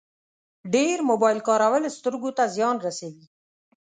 ډېر موبایل کارول سترګو ته زیان رسوي.